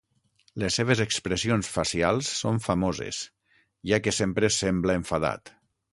Les seves expressions facials són famoses, ja que sempre sembla enfadat.